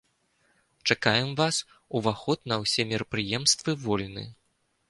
Чакаем вас, уваход на ўсе мерапрыемствы вольны!